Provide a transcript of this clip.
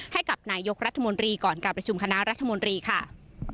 ให้กับนายกรัฐมนตรีก่อนการประชุมคณะรัฐมนตรีค่ะ